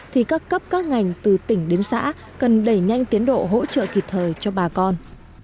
thì các cấp các ngành từ tỉnh đến xã cần đẩy nhanh tiến độ hỗ trợ kịp thời cho bà con